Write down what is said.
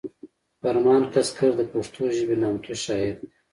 فرمان کسکر د پښتو ژبې نامتو شاعر دی